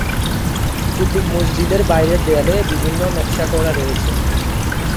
কুতুব মসজিদের বাইরের দেয়ালে বিভিন্ন নকশা করা রয়েছে।